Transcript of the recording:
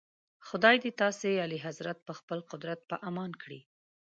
خدای دې تاسي اعلیحضرت په خپل قدرت په امان کړي.